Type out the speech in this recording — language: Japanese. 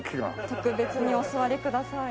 特別にお座りください。